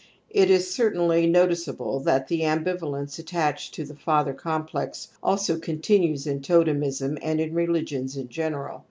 It is certainly noticeable that the smJlS^^nce ::^ a ttached t o the father complex also continues in totemism and in religions in general.